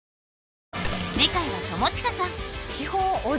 次回は友近さん